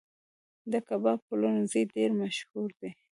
د کباب پلورنځي ډیر مشهور دي